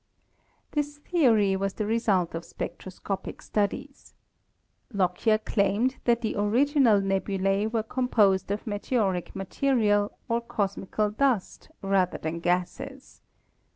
This theory was the result of spectroscopic studies. Lockyer claimed that the original nebulae were composed of meteoric material or cosmical dust rather than gases.